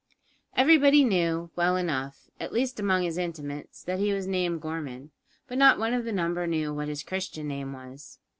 Everybody knew well enough, at least among his intimates, that he was named Gorman; but not one of the number knew what his Christian name was.